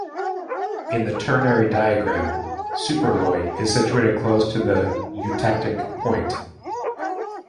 In the ternary diagram, Superloy is situated close to the eutectic point.